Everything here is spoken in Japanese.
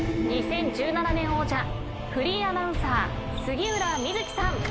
２０１７年王者フリーアナウンサー杉浦みずきさん。